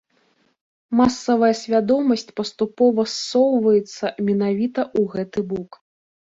Масавая свядомасць паступова ссоўваецца менавіта ў гэты бок.